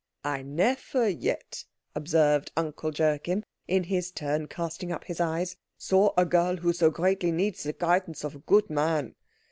"I never yet," observed Uncle Joachim, in his turn casting up his eyes, "saw a girl who so greatly needs the guidance of a good man.